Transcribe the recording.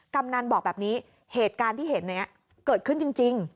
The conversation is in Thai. กำนันบอกแบบนี้เหตุการณ์ที่เห็นเกิดขึ้นจริง